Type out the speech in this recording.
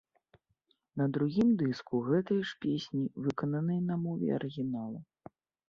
На другім дыску гэтыя ж песні выкананыя на мове арыгінала.